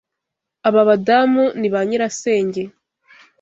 Aba badamu ni ba nyirasenge.